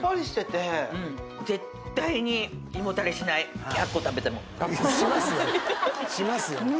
しますよ。